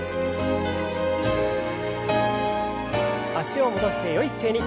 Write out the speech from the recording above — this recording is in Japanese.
脚を戻してよい姿勢に。